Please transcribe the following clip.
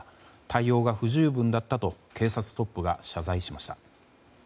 対応が不十分だったと警察トップが謝罪しました。